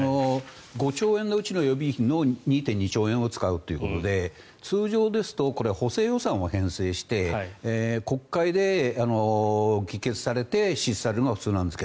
５兆円のうちの予備費の２．２兆円を使うということで通常ですとこれは補正予算を編成して国会で議決されて支出されるのが普通なんですが。